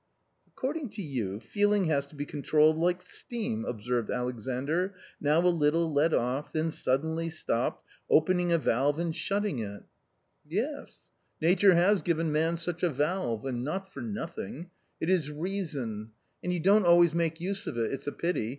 "According to you, feeling has to be controlled like steam," observed Alexandr, "now a little let oflf, then suddenly stopped, opening a valve and shutting it." s 66 A COMMON STORY " Yes, nature has given man such a valve — and not for nothing — it is reason, and you don't always make use of it — it's a pity